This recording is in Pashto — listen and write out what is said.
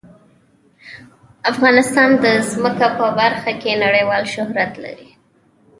افغانستان د ځمکه په برخه کې نړیوال شهرت لري.